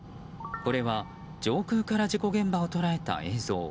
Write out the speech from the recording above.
これは、上空から事故現場を捉えた映像。